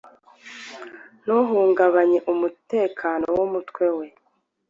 Ntuhungabanye umutekano wumutwe we